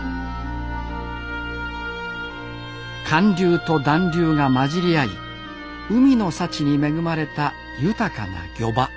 寒流と暖流が混じり合い海の幸に恵まれた豊かな漁場。